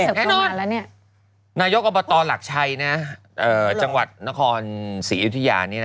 แน่นอนนายกอบตหลักชัยจังหวัดนครศรีอิทยานี่